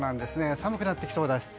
寒くなってきそうです。